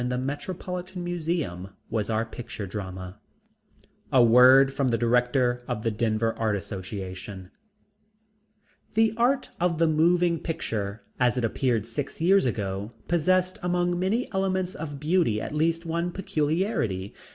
THE ACCEPTABLE YEAR OF THE LORD A WORD FROM THE DIRECTOR OF THE DENVER ART ASSOCIATION The Art of the Moving Picture, as it appeared six years ago, possessed among many elements of beauty at least one peculiarity.